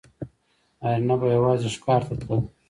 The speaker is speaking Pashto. نارینه به یوازې ښکار ته تلل.